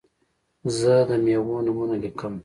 زه د میوو نومونه لیکم.